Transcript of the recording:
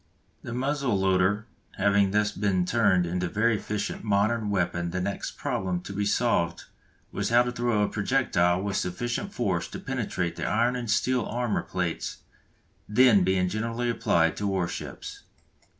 The muzzle loader having thus been turned into a very efficient modern weapon the next problem to be solved was how to throw a projectile with sufficient force to penetrate the iron and steel armour plates then being generally applied to war ships.